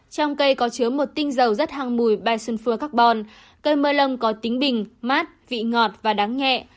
trong cây có chứa một tinh dầu rất hăng mùi bai sơn phua carbon cây mơ lông có tính bình mát vị ngọt và đáng nhẹ